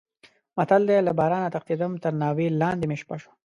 متل دی: له بارانه تښتېدم تر ناوې لانې مې شپه شوه.